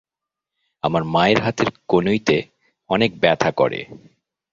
আমার মায়ের হাতের কনুইতে অনেক ব্যথা করে।